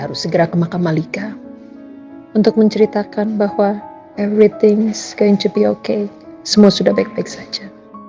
harus segera ke makam malka untuk menceritakan bahwa everything is going to be oke semua sudah baik baik saja